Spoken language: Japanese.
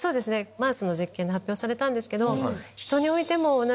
マウスの実験で発表されたんですけど。